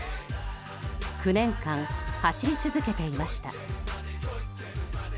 ９年間、走り続けていました。